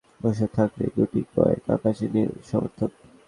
সেই গর্জনের মাঝে অন্ধকার মুখে বসে থাকলেন গুটি কয়েক আকাশি-নীল সমর্থক।